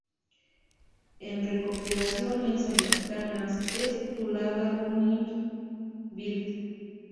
En recopilaciones americanas es titulada "Running Wild".